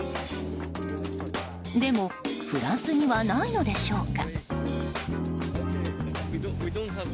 でも、フランスにはないのでしょうか？